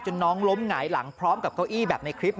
น้องล้มหงายหลังพร้อมกับเก้าอี้แบบในคลิป